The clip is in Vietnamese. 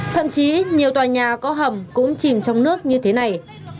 thậm chí nhiều tòa nhà có hầm cũng chìm trong nước như thế này